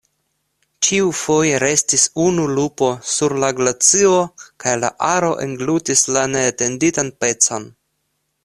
Ĉiufoje restis unu lupo sur la glacio kaj la aro englutis la neatenditan pecon.